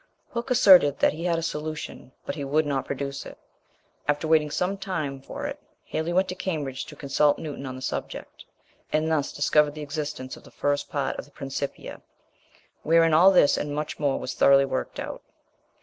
Hooke asserted that he had a solution, but he would not produce it. After waiting some time for it Halley went to Cambridge to consult Newton on the subject, and thus discovered the existence of the first part of the Principia, wherein all this and much more was thoroughly worked out.